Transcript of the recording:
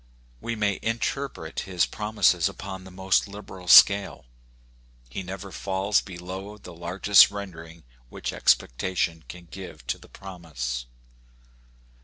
We may interpret his promises upon the most liberal scale. He never falls below the largest rendering which expectation can give to the promise.